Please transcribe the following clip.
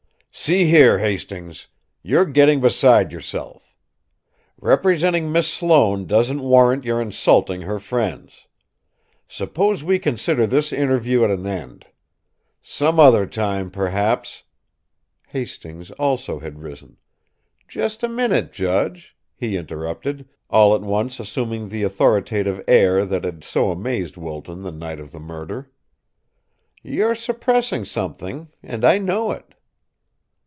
"See here, Hastings! You're getting beside yourself. Representing Miss Sloane doesn't warrant your insulting her friends. Suppose we consider this interview at an end. Some other time, perhaps " Hastings also had risen. "Just a minute, judge!" he interrupted, all at once assuming the authoritative air that had so amazed Wilton the night of the murder. "You're suppressing something and I know it!"